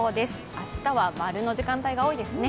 明日は○の時間帯が多いですね。